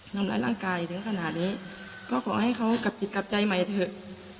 ทำร้ายร่างกายถึงขนาดนี้ก็ขอให้เขากลับจิตกลับใจใหม่เถอะ